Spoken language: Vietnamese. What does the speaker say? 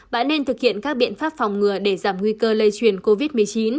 bạn nên thực hiện các biện pháp phòng ngừa để giảm nguy cơ lây truyền covid một mươi chín